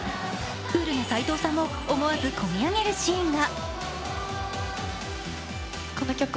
クールな齋藤さんも思わずこみ上げるシーンが。